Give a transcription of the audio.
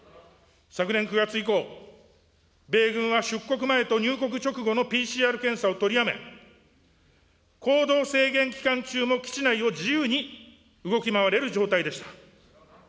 昨年９月以降、米軍は出国前と入国直後のＰＣＲ検査も取りやめ、行動制限期間中も基地内を自由に動き回れる状態でした。